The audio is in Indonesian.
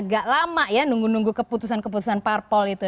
agak lama ya nunggu nunggu keputusan keputusan parpol itu